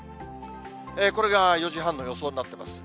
これが４時半の予想になっています。